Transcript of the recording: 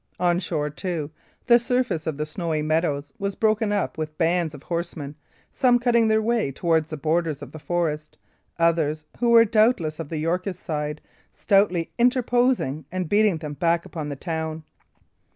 On shore, too, the surface of the snowy meadows was broken up with bands of horsemen, some cutting their way towards the borders of the forest, others, who were doubtless of the Yorkist side, stoutly interposing and beating them back upon the town.